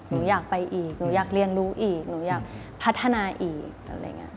หนูอยากไปอีกหนูอยากเรียนรู้อีกหนูอยากพัฒนาอีกอะไรอย่างนี้